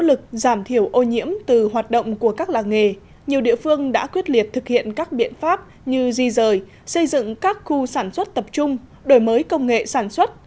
nỗ lực giảm thiểu ô nhiễm từ hoạt động của các làng nghề nhiều địa phương đã quyết liệt thực hiện các biện pháp như di rời xây dựng các khu sản xuất tập trung đổi mới công nghệ sản xuất